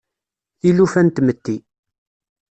Tilufa n tmetti.